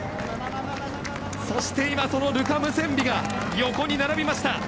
そして今、そのルカ・ムセンビが横に並びました。